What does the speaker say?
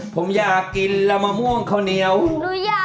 ขอบคุณคุณพ่อมากพ่อเกลียดขอบคุณมาก